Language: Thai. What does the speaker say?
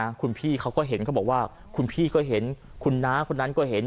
คุณพี่เขาก็เห็นเขาบอกว่าคุณพี่ก็เห็นคุณน้าคนนั้นก็เห็น